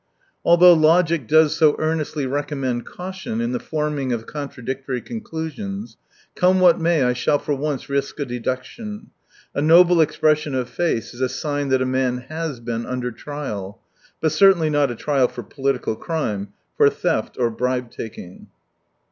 Although logic does so earnestly recommend caution in the forming of contradictory conclusions, come what may I shall for once risk a deduction : a noble expression of face is a sign that a man has been under trial — but certainly not a trial for political crime — for theft or bribe taking.